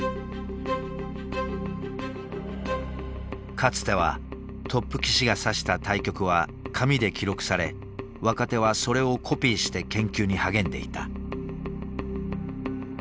かつてはトップ棋士が指した対局は紙で記録され若手はそれをコピーして研究に励んでいた。